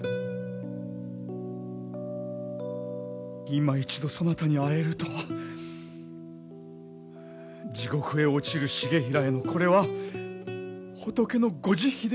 いま一度そなたに会えるとは地獄へ落ちる重衡へのこれは仏のご慈悲であろう。